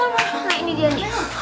nah ini dia nih